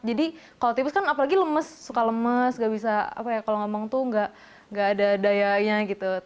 jadi kalau tipe tiga kan apalagi lemes suka lemes gak bisa apa ya kalau ngomong tuh gak ada dayanya gitu